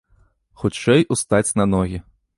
Хутчэй устаць на ногі!